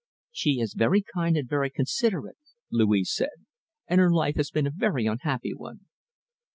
"She is very kind and very considerate," Louise said, "and her life has been a very unhappy one."